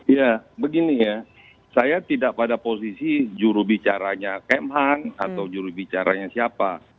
ya begini ya saya tidak pada posisi jurubicaranya kemhan atau jurubicaranya siapa